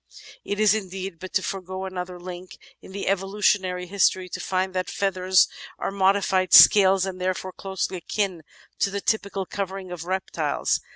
It is indeed but to forge another link in that evolutionary history to find that feathers are modified scales and therefore closely akin to the typical covering of reptiles.